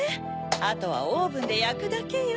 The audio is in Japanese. あとはオーブンでやくだけよ。